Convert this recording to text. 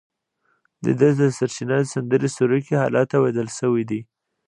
دده د سرچپه سندرې سروکي حالاتو ته بدل شوي دي.